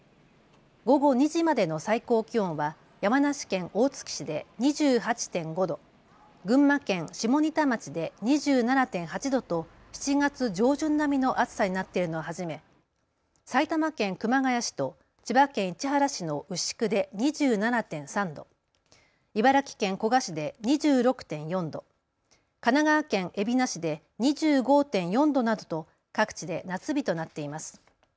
午後２時までの最高気温は山梨県大月市で２８．５度、群馬県下仁田町で２７．８度と７月上旬並みの暑さになっているのをはじめ埼玉県熊谷市と千葉県市原市の牛久で２７．３度、茨城県古河市で２６．４度、神奈川県海老名市で２５．４度などと各地で夏日となっています。